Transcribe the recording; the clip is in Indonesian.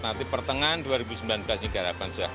nanti pertengahan dua ribu sembilan belas ini diharapkan sudah